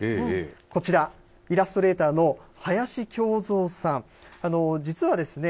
こちら、イラストレーターの林恭三さん、実はですね、